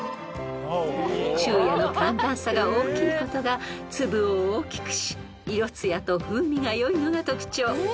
［昼夜の寒暖差が大きいことが粒を大きくし色艶と風味が良いのが特徴］